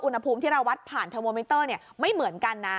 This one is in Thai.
อุณหภูมิที่เราวัดผ่านเทอร์โมมิเตอร์ไม่เหมือนกันนะ